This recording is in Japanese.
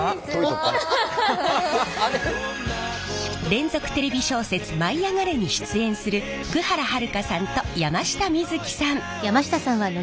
連続テレビ小説「舞いあがれ！」に出演する福原遥さんと山下美月さん。